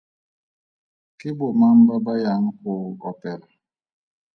Ke bomang ba ba yang go opela?